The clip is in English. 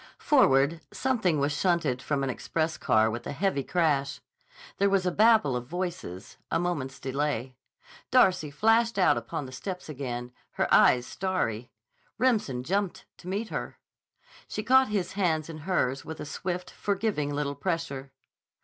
Forward, something was shunted from an express car with a heavy crash. There was a babel of voices, a moment's delay. Darcy flashed out upon the steps again, her eyes starry. Remsen jumped to meet her. She caught his hands in hers with a swift, forgiving little pressure.